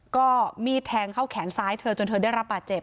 ก็มีดแทงเข้าแขนซ้ายเธอจนเธอได้รับบาดเจ็บ